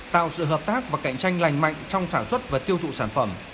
tạo sự hợp tác và cạnh tranh lành mạnh trong sản xuất và tiêu thụ sản phẩm